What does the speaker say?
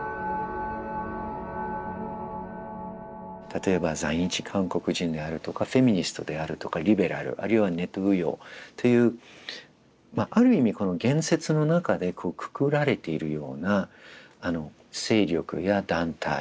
例えば在日韓国人であるとかフェミニストであるとかリベラルあるいはネトウヨっていうある意味この言説の中でくくられているような勢力や団体